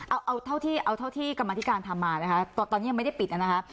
เอาเอาเท่าที่เอาเท่าที่กรรมนาฬิการทำมานะฮะตอนตอนนี้ยังไม่ได้ปิดนะฮะ